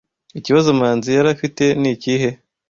Ikibazo Manzi yari afite nikihe?